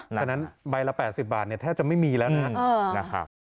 ฉะนั้นใบละ๘๐บาทแทบจะไม่มีแล้วนะครับ